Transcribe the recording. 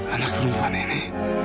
anak perempuan ini